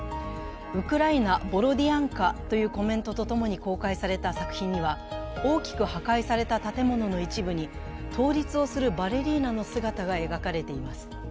「ウクライナ・ボロディアンカ」というコメントと共に公開された作品には、大きく破壊された建物の一部に倒立をするバレリーナの姿が描かれています。